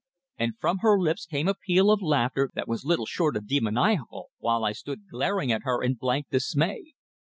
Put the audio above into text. And from her lips came a peal of laughter that was little short of demoniacal, while I stood glaring at her in blank dismay.